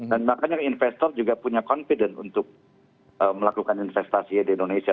dan makanya investor juga punya confident untuk melakukan investasi di indonesia